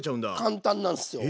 簡単なんすよ。